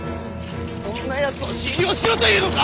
そんなやつを信用しろというのか！？